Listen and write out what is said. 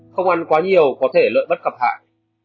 không ăn quá nhiều có thể lợi bất cập hại